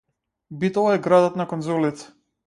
Битола е градот на конзулите.